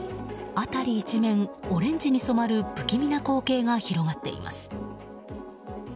辺り一面オレンジに染まる不気味な光景が広がっています。